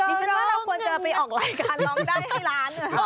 ฉันว่าเราควรจะไปออกรายการร้องได้ให้ล้าน